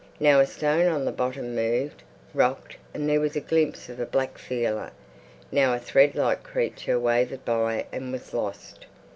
Now a stone on the bottom moved, rocked, and there was a glimpse of a black feeler; now a thread like creature wavered by and was lost.